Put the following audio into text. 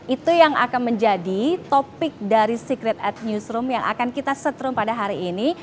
itu yang akan menjadi topik dari secret at newsroom yang akan kita setrum pada hari ini